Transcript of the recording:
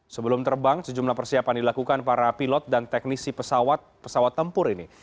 sebelum terbang sejumlah persiapan dilakukan para pilot dan teknisi pesawat pesawat tempur ini